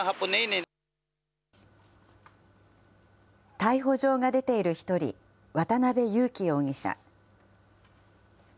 逮捕状が出ている１人、渡邉優樹容疑者。